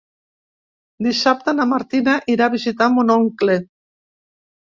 Dissabte na Martina irà a visitar mon oncle.